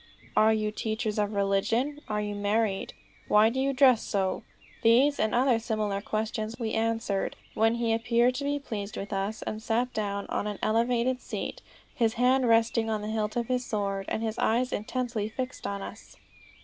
Are you teachers of religion? Are you married? Why do you dress so?' These and other similar questions we answered; when he appeared to be pleased with us, and sat down on an elevated seat his hand resting on the hilt of his sword, and his eyes intently fixed on us."